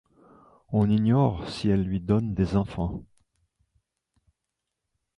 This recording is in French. On ignore si elle lui donne des enfants.